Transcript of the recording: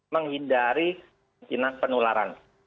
menghindari kemungkinan penularan